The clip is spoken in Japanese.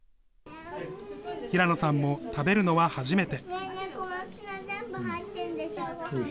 平野さんも食べるのは初めて。